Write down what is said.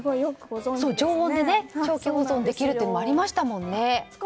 常温で長期保存できるのもありましたもんね。